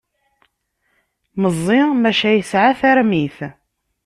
Meẓẓi maca yesεa tarmit.